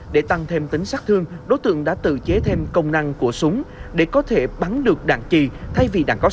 để tăng thêm tính sắc thương đối tượng đã tự chế thêm công năng của súng để có thể bắn được đạn chi thay vì đạn có sẵn